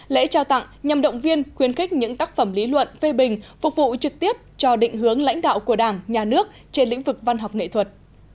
lễ trao tặng nhằm động viên khuyến khích những tác phẩm lý luận phê bình phục vụ trực tiếp cho định hướng lãnh đạo của đảng nhà nước trên lĩnh vực văn học nghệ thuật